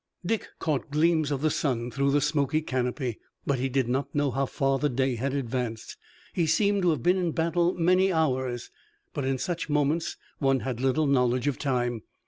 Dick caught gleams of the sun through the smoky canopy, but he did not know how far the day had advanced. He seemed to have been in battle many hours, but in such moments one had little knowledge of time.